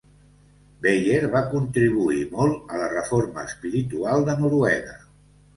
Beyer va contribuir molt a la reforma espiritual de Noruega.